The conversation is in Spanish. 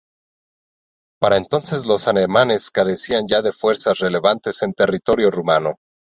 Para entonces los alemanes carecían ya de fuerzas relevantes en territorio rumano.